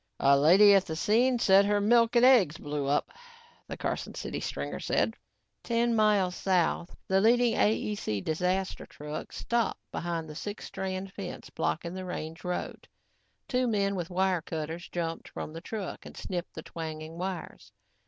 "A lady at the scene said her milk and eggs blew up," the Carson City stringer said. Ten miles south, the leading AEC disaster truck stopped behind the six strand fence blocking the range road. Two men with wire cutters, jumped from the truck and snipped the twanging wires.